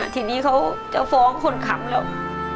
ทีนี้เขาจะฟ้องคนขังแล้ว